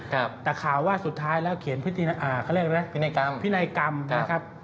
แต่ข่าวว่าสุดท้ายเขียนพินัยกรรมนะครับ